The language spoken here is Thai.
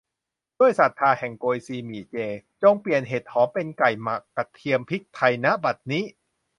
ด้วยศรัทธาแห่งโกยซีหมี่เจ จงเปลี่ยนเห็ดหอมเป็นไก่หมักกระเทียมพริกไทย ณ บัดนี้